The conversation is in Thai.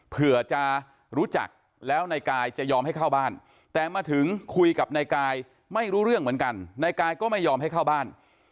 เผื่อจะรู้จักแล้วนายกายจะยอมให้เข้าบ้านแต่มาถึงคุยกับนายกายไม่รู้เรื่องเหมือนกันนายกายก็ไม่ยอมให้เข้าบ้าน